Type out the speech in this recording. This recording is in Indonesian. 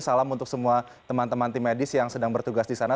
salam untuk semua teman teman tim medis yang sedang bertugas di sana